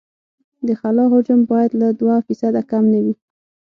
د خلا حجم باید له دوه فیصده کم نه وي